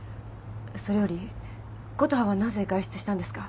それより琴葉はなぜ外出したんですか？